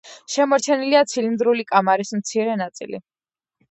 შემორჩენილია ცილინდრული კამარის მცირე ნაწილი.